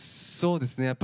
そうですね